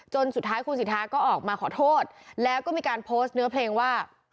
สุดท้ายคุณสิทธาก็ออกมาขอโทษแล้วก็มีการโพสต์เนื้อเพลงว่า